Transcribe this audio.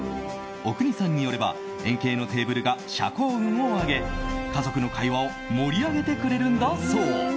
阿国さんによれば円形のテーブルが社交運を上げ家族の会話を盛り上げてくれるんだそう。